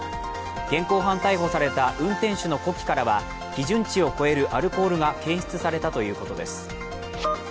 現行犯逮捕された運転手の呼気からは基準値を超えるアルコールが検出されたということです。